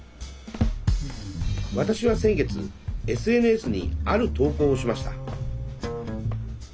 私は先月ＳＮＳにある投稿をしました。